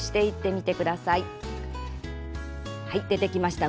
はい出てきました。